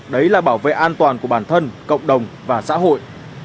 đấy là bảo vệ an toàn của bản thân cộng đồng và xã hội